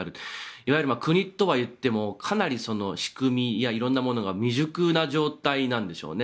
いわゆる国とはいってもかなり仕組みや色んなものが未熟な状態なんでしょうね。